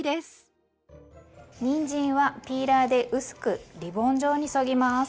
にんじんはピーラーで薄くリボン状にそぎます。